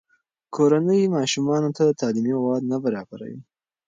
کورنۍ ماشومانو ته تعلیمي مواد نه برابروي.